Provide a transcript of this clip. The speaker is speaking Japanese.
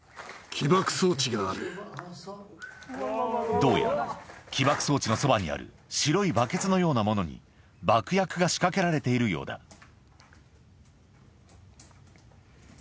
どうやら起爆装置のそばにある白いバケツのようなものに爆薬が仕掛けられているようだああ。